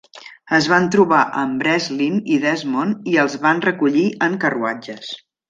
Es van trobar amb Breslin i Desmond i els van recollir en carruatges.